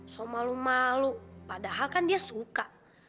so malu malu padahal kan dia suka